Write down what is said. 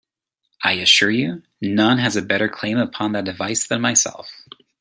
I assure you, none has a better claim upon that device than myself.